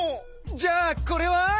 じゃあこれは？